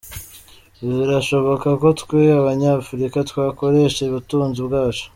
Birashoboka ko twe Abanyafurika twakoresha ubutunzi bwacu.